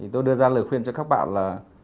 tôi đưa ra lời khuyên cho các bạn là